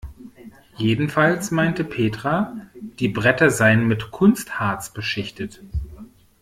Jedenfalls meinte Petra, die Bretter seien mit Kunstharz beschichtet.